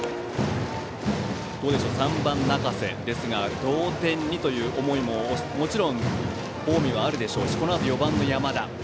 どうでしょう３番、中瀬ですが同点にという思いも近江はあるでしょうしこのあとは４番の山田。